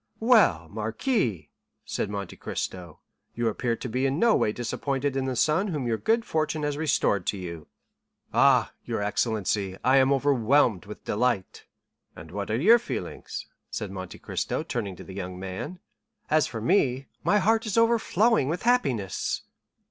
"Well, marquis," said Monte Cristo, "you appear to be in no way disappointed in the son whom your good fortune has restored to you." "Ah, your excellency, I am overwhelmed with delight." "And what are your feelings?" said Monte Cristo, turning to the young man. "As for me, my heart is overflowing with happiness."